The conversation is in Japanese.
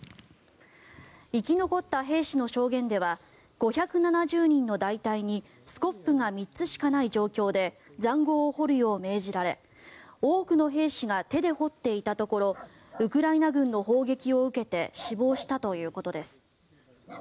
生き残った兵士の証言では５７０人の大隊にスコップが３つしかない状況で塹壕を掘るよう命じられ多くの兵士が手で掘っていたところウクライナ軍の砲撃を受けて死亡したということです。